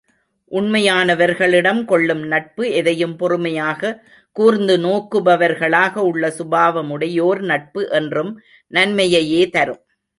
உண்மையானவர்களிடம் கொள்ளும் நட்பு, எதையும் பொறுமையாக, கூர்ந்து நோக்குபவர்களாக உள்ள சுபாவமுடையோர் நட்பு என்றும் நன்மையையே தரும்!